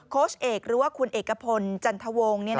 โค้ชเอกหรือว่าคุณเอกพลจันทวงศ์